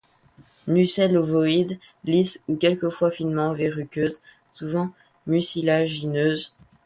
Nucelles ovoïdes, lisses ou quelquefois finement verruqueuses, souvent mucilagineuses.